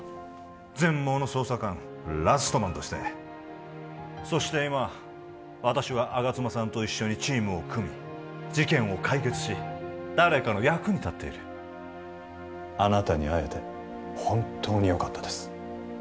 全盲の捜査官ラストマンとしてそして今私は吾妻さんと一緒にチームを組み事件を解決し誰かの役に立っているあなたに会えて本当によかったです